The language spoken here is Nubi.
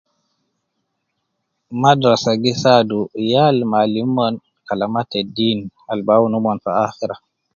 Madrasa gi saadu iyal ma alim umon kalama te deen al bi awunu umon fi akhira.